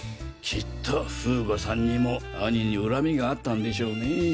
きっと風悟さんにも兄に恨みがあったんでしょうね。